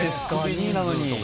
２位なのに。